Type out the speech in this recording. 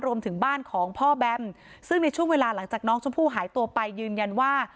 รวมถึงบ้านของพ่อแบมซึ่งในช่วงเวลาหลังจากน้องชมพู่หายตัวไปยืนยันว่า